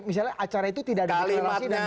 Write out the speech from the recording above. misalnya acara itu tidak ada akreasi